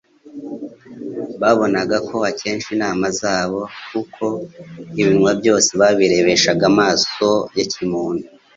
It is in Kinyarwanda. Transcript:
Babonaga ko akencye inama zabo. Kuko ibinW byose babirebeshaga amaso ya kimuntu,